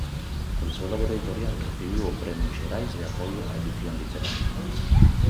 Polo seu labor editorial recibiu o premio Xerais de apoio á edición literaria.